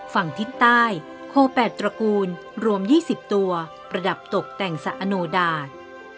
ฝั่งทิศใต้โคแปดตระกูลรวม๒๐ตัวประดับตกแต่งสะอโนดาต